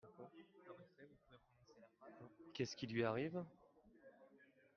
Qu’est-ce qui lui arrive ?